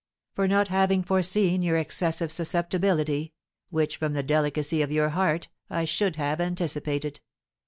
"For not having foreseen your excessive susceptibility, which, from the delicacy of your heart, I should have anticipated.